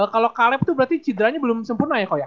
kalau kaleb itu berarti cedera nya belum sempurna ya coach ya